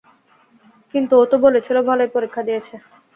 কিন্তু ও তো বলেছিল ভালোই পরীক্ষা দিয়েছে।